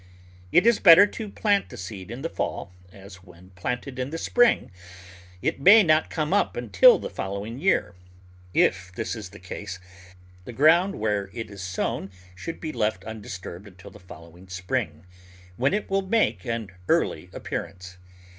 It is better to plant the seed in the fall, as when planted in the spring it may not come up until the following year. If this is the case the ground where it is sown should be left undisturbed until the follow ing spring, when it will make an early appearance.